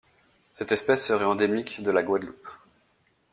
Cette espèce serait endémique de la Guadeloupe.